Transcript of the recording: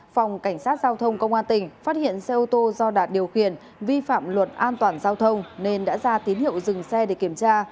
phòng cảnh sát giao thông công an tỉnh phát hiện xe ô tô do đạt điều khiển vi phạm luật an toàn giao thông nên đã ra tín hiệu dừng xe để kiểm tra